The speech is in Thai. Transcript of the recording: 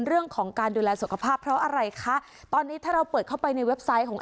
เรื่องของการดูแลสุขภาพเพราะอะไรคะตอนนี้ถ้าเราเปิดเข้าไปในเว็บไซต์ของ